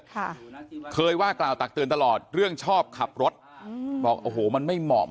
ค่ะเคยว่ากล่าวตักเตือนตลอดเรื่องชอบขับรถอืมบอกโอ้โหมันไม่เหมาะ